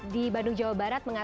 tidak ada yang mewah